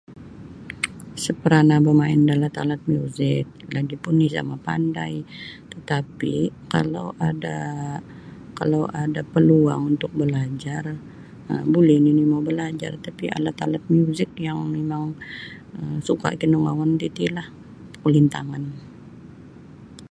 Isa parana bamain da alat-alat muzik lagipun isa mapandai tetapi kalau ada kalau ada paluang untuk balajar buli nini balajar tapi alat-alat muzik yang um mimang suka kiningoun ti Kulintangan.